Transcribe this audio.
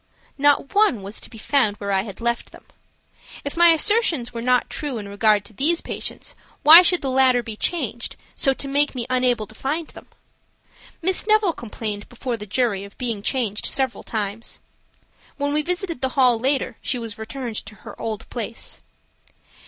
Not one was to be found where I had left them. If my assertions were not true in regard to these patients, why should the latter be changed, so to make me unable to find them? Miss Neville complained before the jury of being changed several times. When we visited the hall later she was returned to her old place.